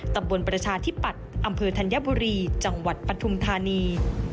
ประชาธิปัตย์อำเภอธัญบุรีจังหวัดปฐุมธานี